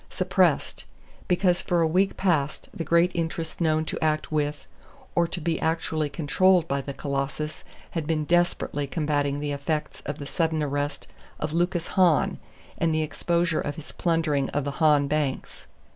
Suppressed: because for a week past the great interests known to act with or to be actually controlled by the Colossus had been desperately combating the effects of the sudden arrest of Lucas Hahn, and the exposure of his plundering of the Hahn banks.